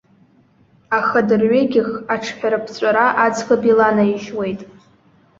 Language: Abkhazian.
Аха дырҩеигьых аҿҳәараԥҵәара аӡӷаб иланаижьуеит.